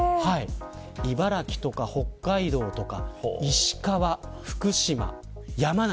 茨城とか北海道とか石川、福島、山梨。